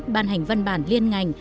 ban hành văn bản liên ngành